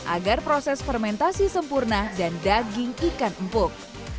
agar proses fermentasi sempurna dan daging ikan empuk